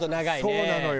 そうなのよ。